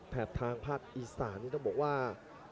ทางภาคอีสานนี่ต้องบอกว่า